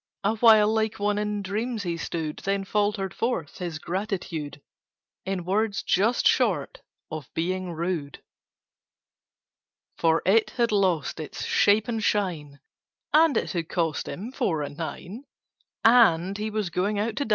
A while like one in dreams he stood, Then faltered forth his gratitude In words just short of being rude: For it had lost its shape and shine, And it had cost him four and nine, And he was going out to dine.